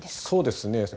そうですね。